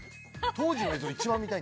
当時の映像一番見たい。